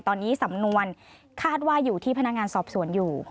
ตอนนี้สำนวนคาดว่าอยู่ที่พนักงานสอบสวนอยู่